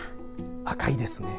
赤いですね。